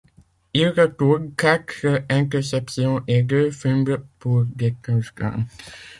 Il retourne quatre interceptions et deux fumbles pour des touchdowns.